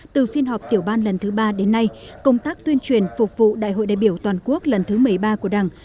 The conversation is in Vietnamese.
từ phiên họp tiểu ban lần thứ ba đến nay công tác tuyên truyền phục vụ đại hội đại biểu toàn quốc lần thứ một mươi ba của đảng